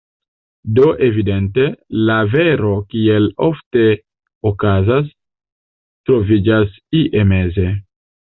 Do evidente, la vero, kiel ofte okazas, troviĝas ie meze.